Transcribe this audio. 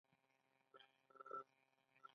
زه ددې په اړه سخت انديښمن يم.